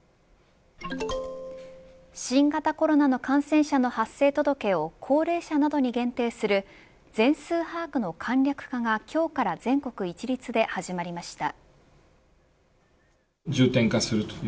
新型コロナの感染者の発生届けを高齢者などに限定する全数把握の簡略化が今日から全国一律で始まりました。